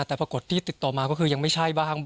แต่ปรากฏติดต่อมายังไม่ใช่บ้าง